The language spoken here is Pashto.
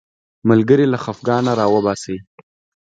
ملګری له خفګانه راوباسي